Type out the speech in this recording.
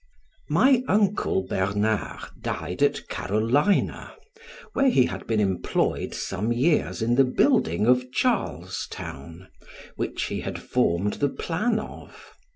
My uncle Bernard died at Carolina, where he had been employed some years in the building of Charles Town, which he had formed the plan of.